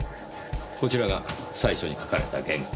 こちらが最初に書かれた原稿。